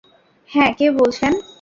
হ্যাঁ, কে বলছেন?